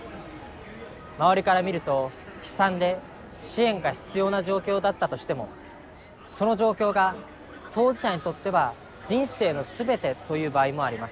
周りから見ると悲惨で支援が必要な状況だったとしてもその状況が当事者にとっては人生の全てという場合もあります。